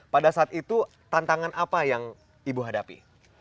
pada saat itu tantangan apa yang ibu hadapi